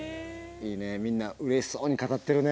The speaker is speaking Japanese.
いいねみんなうれしそうに語ってるね。